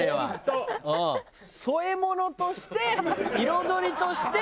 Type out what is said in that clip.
添え物として彩りとして。